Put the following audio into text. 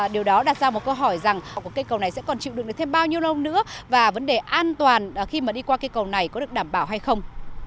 điều đó đặt ra một câu hỏi rằng cây cầu này sẽ còn chịu được được thêm bao nhiêu lâu nữa và vấn đề an toàn khi mà đi qua cây cầu này có được đảm bảo hay không